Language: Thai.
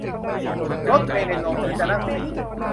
รถเมล์ในโรมเหมือนจะนั่งฟรี